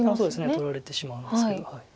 取られてしまうんですけど。